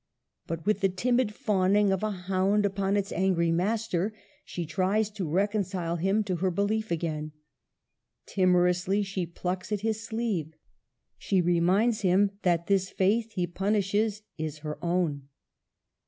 But with the timid fawning of a hound upon its angry master she tries to reconcile him to her belief again. Timorously she plucks at his sleeve, she reminds him that this faith he pun ishes is her own.